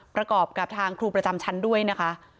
ประกอบกับทางครูประจำชั้นด้วยนะคะ